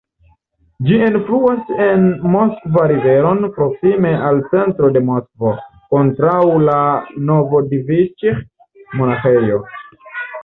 Ĝi enfluas en Moskva-riveron proksime al centro de Moskvo, kontraŭ la Novodeviĉij-monaĥejo.